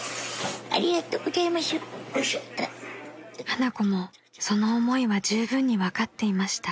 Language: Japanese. ［花子もその思いはじゅうぶんに分かっていました］